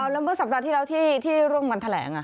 แล้วเมื่อสัปดาห์ที่แล้วที่ร่วมกันแถลง